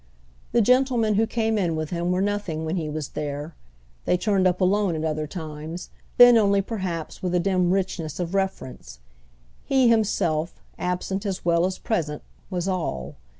The gentlemen who came in with him were nothing when he was there. They turned up alone at other times—then only perhaps with a dim richness of reference. He himself, absent as well as present, was all.